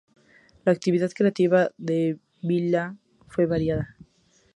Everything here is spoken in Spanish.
La actividad creativa de Vila fue variada.